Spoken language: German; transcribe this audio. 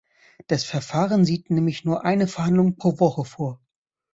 Das Verfahren sieht nämlich nur eine Verhandlung pro Woche vor.